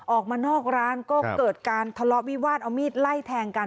ออกมานอกร้านก็เกิดการทะเลาะวิวาสเอามีดไล่แทงกัน